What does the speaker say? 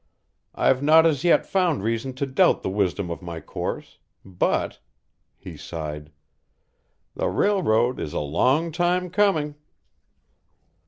I've not as yet found reason to doubt the wisdom of my course; but" he sighed "the railroad is a long time coming!"